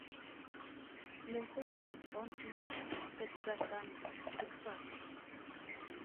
Mathews was born in Texarkana, Texas.